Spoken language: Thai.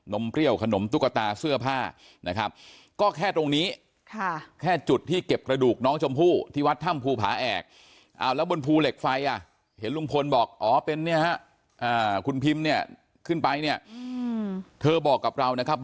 นมเปรี้ยวขนมตุ๊กตา